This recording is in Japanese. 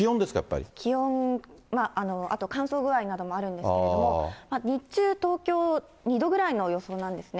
気温、あと乾燥具合などもあるんですけれども、日中、東京２度ぐらいの予想なんですね。